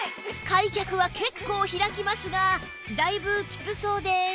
開脚は結構開きますがだいぶきつそうです